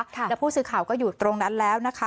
แล้วผู้สื่อข่าวก็อยู่ตรงนั้นแล้วนะคะ